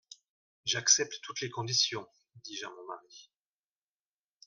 J'accepte toutes les conditions, dis-je à mon mari.